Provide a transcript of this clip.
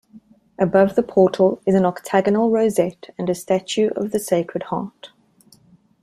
Above the portal is an octagonal rosette and a statue of the Sacred Heart.